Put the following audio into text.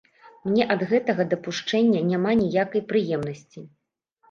Мне ад гэтага дапушчэння няма ніякае прыемнасці.